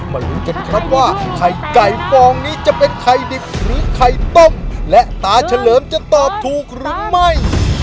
ลุ้นกันครับว่าไข่ไก่ฟองนี้จะเป็นไข่ดิบหรือไข่ต้มและตาเฉลิมจะตอบถูกหรือไม่